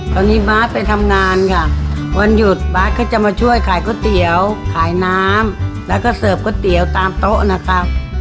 ตอนนี้บาทไปทำงานค่ะวันหยุดบาทก็จะมาช่วยขายก๋วยเตี๋ยวขายน้ำแล้วก็เสิร์ฟก๋วยเตี๋ยวตามโต๊ะนะครับ